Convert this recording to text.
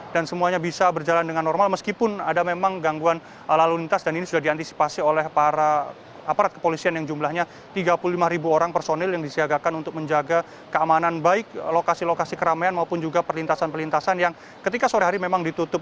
dan semuanya bisa berjalan dengan normal meskipun ada memang gangguan lalu lintas dan ini sudah diantisipasi oleh para aparat kepolisian yang jumlahnya tiga puluh lima ribu orang personil yang disiagakan untuk menjaga keamanan baik lokasi lokasi keramaian maupun juga perlintasan perlintasan yang ketika sore hari memang ditutup